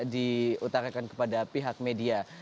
diutarakan kepada pihak media